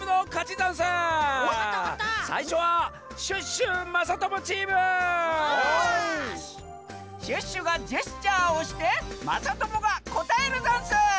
シュッシュがジェスチャーをしてまさともがこたえるざんす！